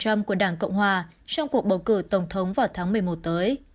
trump của đảng cộng hòa trong cuộc bầu cử tổng thống vào tháng một mươi một tới